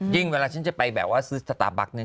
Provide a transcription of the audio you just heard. เวลาฉันจะไปแบบว่าซื้อสตาร์บัคเนี่ย